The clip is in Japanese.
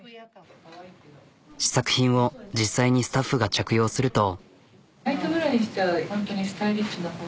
試作品を実際にスタッフが着用すると。